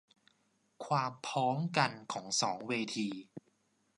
ความพ้องกันของสองเวที